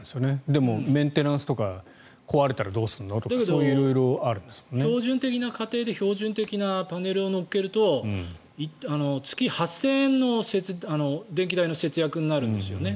でもメンテナンスとか壊れたらどうするの？とかでも、標準的な家庭で標準的なパネルを乗っけると月８０００円の電気代の節約になるんですよね。